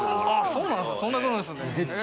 そうなんですか？